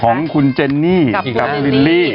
ของคุณเจนนี่กับลิลลี่